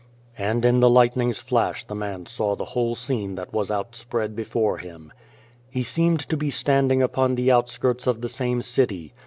And in the lightning's flash the man saw the whole scene that was outspread before him. He seemed to be standing upon the outskirts of the same city.